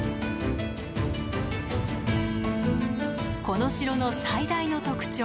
この城の最大の特徴